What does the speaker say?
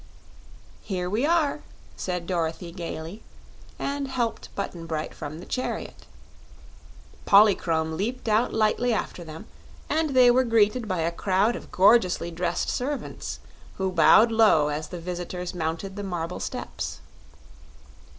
"Here we are!" said Dorothy, gaily, and helped Button Bright from the chariot. Polychrome leaped out lightly after them, and they were greeted by a crowd of gorgeously dressed servants who bowed low as the visitors mounted the marble steps.